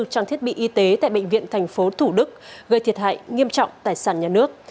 trong thiết bị y tế tại bệnh viện thành phố thủ đức gây thiệt hại nghiêm trọng tài sản nhà nước